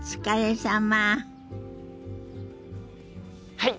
はい！